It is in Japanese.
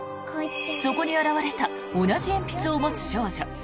そこに現れた同じ鉛筆を持つ少女。